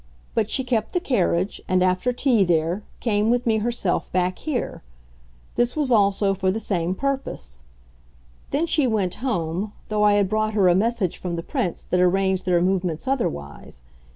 But she kept the carriage and, after tea there, came with me herself back here. This was also for the same purpose. Then she went home, though I had brought her a message from the Prince that arranged their movements otherwise.